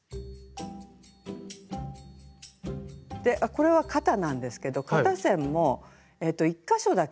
これは肩なんですけど肩線も１か所だけですね